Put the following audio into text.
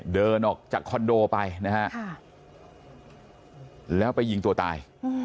เดินออกจากคอนโดไปนะฮะแล้วไปยิงตัวตาย